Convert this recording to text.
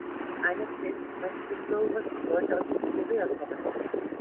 Eines der Instrumente des Rovers sollte aus Südkorea kommen.